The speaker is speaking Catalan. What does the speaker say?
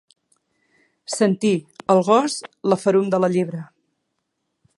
Sentir, el gos, la ferum de la llebre.